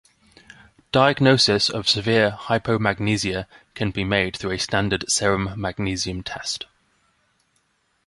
Diagnosis of severe hypomagnesemia can be made through a standard serum magnesium test.